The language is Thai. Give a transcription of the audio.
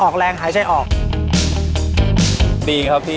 การแชร์ประสบการณ์